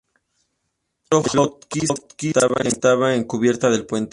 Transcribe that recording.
El otro Hotchkiss estaba en la cubierta del puente.